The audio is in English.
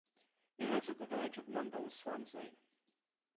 He lives at the village of Mumbles, Swansea.